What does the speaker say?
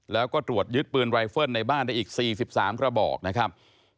แล้วก็ตรวจยึดปืนไวเฟิลในบ้านได้อีก๔๓กระบอกนะครับ